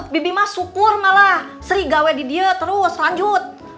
bibimah syukur malah sriga wedi dia terus lanjut